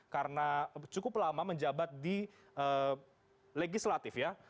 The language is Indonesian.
karena cukup lama menjabat di legislatif ya